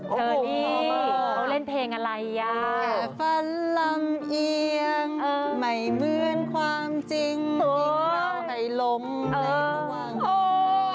เธอนี่เค้าเล่นเพลงอะไรแค่ฝันลำเอียงไม่เหมือนความจริงทิ้งเบาให้ลมอะไรก็บ้าง